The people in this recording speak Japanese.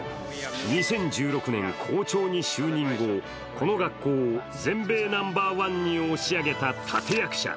２０１６年校長に就任後、この学校を全米ナンバーワンに押し上げた立て役者。